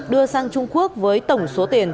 đưa sang trung quốc với tổng số tiền